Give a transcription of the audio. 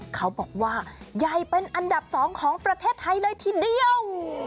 เขาบอกว่าใหญ่เป็นอันดับ๒ของประเทศไทยเลยทีเดียว